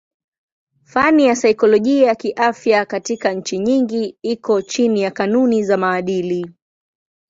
Fani ya saikolojia kiafya katika nchi nyingi iko chini ya kanuni za maadili.